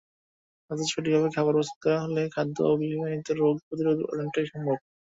অথচ সঠিকভাবে খাবার প্রস্তুত করা হলে খাদ্যবাহিত রোগ প্রতিরোধ অনেকটাই সম্ভব।